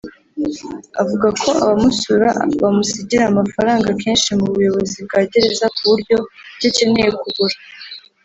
Avuga ko abamusura bamusigira amafaranga kenshi mubuyobozi bwa gereza kuburyo icyo akeneye kugura